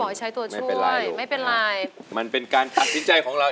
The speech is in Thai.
เพลงนี้อยู่ในอาราบัมชุดแรกของคุณแจ็คเลยนะครับ